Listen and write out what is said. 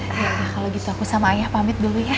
nah kalau gitu aku sama ayah pamit dulu ya